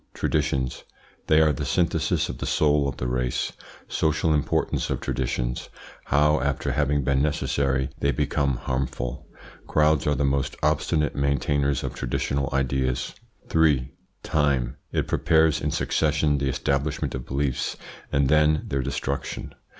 TRADITIONS. They are the synthesis of the soul of the race Social importance of traditions How, after having been necessary they become harmful Crowds are the most obstinate maintainers of traditional ideas. 3. TIME. It prepares in succession the establishment of beliefs and then their destruction.